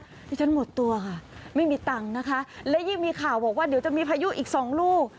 ที่ฉันหมดตัวค่ะไม่มีตังค์นะคะและยิ่งมีข่าวบอกว่าเดี๋ยวจะมีพายุอีกสองลูก